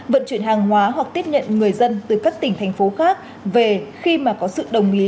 vận chuyển hàng hóa hoặc tiếp nhận người dân từ các tỉnh thành phố khác về khi mà có sự đồng ý